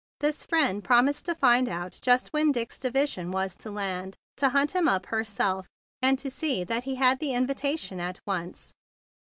This friend promised to find out just when Dick's division was to land, to hunt him up herself, and to see that he had the invitation at once.